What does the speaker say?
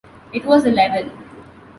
It was a Level.